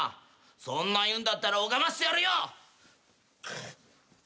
そんな言うんだったら拝ませてやるよ。